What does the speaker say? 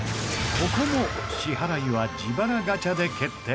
ここも支払いは自腹ガチャで決定